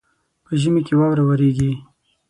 په ژمي کي واوره وريږي.